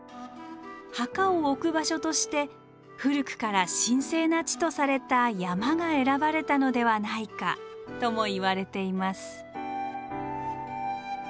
墓を置く場所として古くから神聖な地とされた山が選ばれたのではないかともいわれています。